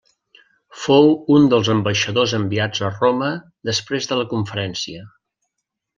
Fou un dels ambaixadors enviats a Roma després de la conferència.